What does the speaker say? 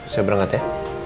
saya berangkat ya